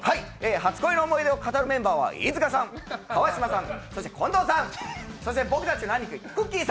初恋の思い出を語るメンバーは飯塚さん、川島さん、そして近藤さん、そして僕たちの兄貴くっきー！